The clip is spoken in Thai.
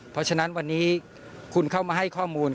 เพราะฉะนั้นวันนี้คุณเข้ามาให้ข้อมูล